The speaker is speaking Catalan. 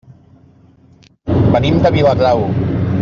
Venim de Viladrau.